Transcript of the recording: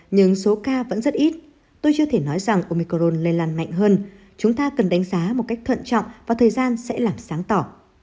nhưng số ca vẫn rất ít tôi chưa thể nói rằng omicron lây lan mạnh hơn chúng ta cần đánh giá một cách thận trọng và thời gian sẽ làm sáng tỏ